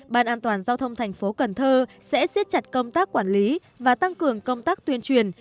ban an toàn giao thông thành phố cần thơ sẽ xiết chặt công tác quản lý và tăng cường công tác tuyên truyền